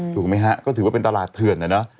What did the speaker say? ถูกไหมฮะก็ถือว่าเป็นตลาดเถื่อนนะเนอะ